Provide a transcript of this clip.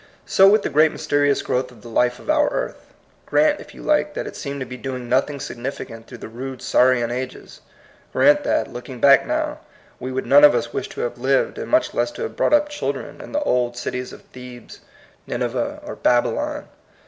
So with the great mysterious growth of the life of our earth. Grant, if you like, that it seemed to be doing nothing sig nificant through the rude saurian ages. Grant that, looking back now, we would none of us wish to have lived, and much less to have brought up children, in the THE POINT OF VIEW. 71 old cities of Thebes, Nineveh, or Babylon.